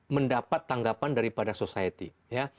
mendapat tanggapan daripada society